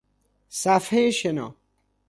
صفحه شنا